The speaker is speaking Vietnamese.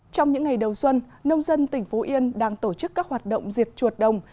trong những ngày đầu xuân nông dân tỉnh phú yên đang tổ chức các hoạt động diệt chuột đồng